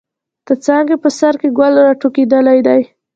د څانګې په سر کښې ګل را ټوكېدلے دے۔